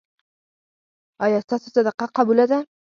ایا ستاسو صدقه قبوله ده؟